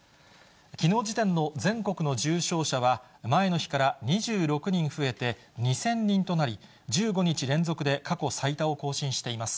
きのう時点の全国の重症者は、前の日から２６人増えて２０００人となり、１５日連続で過去最多を更新しています。